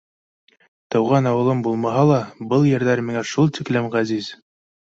Тыуған ауылым булмаһа ла, был ерҙәр миңә шул тиклем ғәзиз.